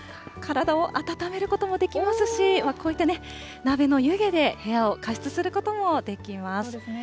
体を温めることもできますし、こういった鍋の湯気で部屋を加湿することもできます。